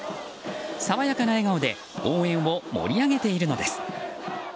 爽やかな笑顔で応援を盛り上げているのです。